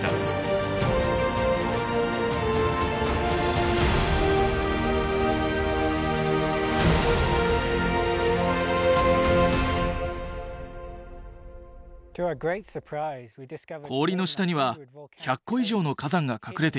氷の下には１００個以上の火山が隠れていました。